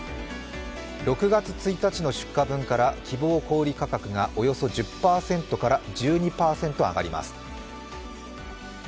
６月１日の出荷分から希望小売価格がおよそ１０％から１２％上がります。